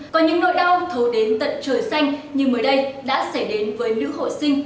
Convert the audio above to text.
có những nỗi đau thấu đến tận trời xanh như mới đây đã xảy đến với nữ hội sinh